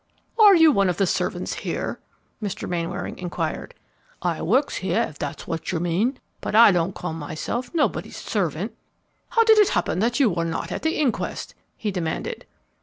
"Are you one of the servants here?" Mr. Mainwaring inquired. "I works here, ef that's wot yer mean; but I don't call myself nobody's servant." "How did it happen that you were not at the inquest?" he demanded.